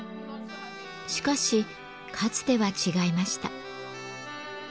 しかしかつては違いました。